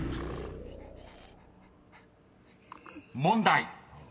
［問題］